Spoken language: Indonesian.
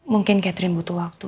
mungkin catherine butuh waktu